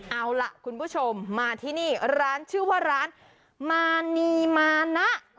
เอาล่ะคุณผู้ชมมาที่นี่ร้านชื่อว่าร้านมานีมานะ